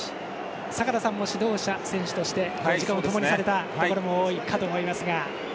坂田さんも指導者、選手として時間をともにされたことも多いかと思います。